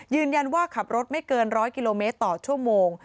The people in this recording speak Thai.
ยืนยันว่าขับรถไม่เกิน๑๐๐กิโลเมตรต่อชั่วโมง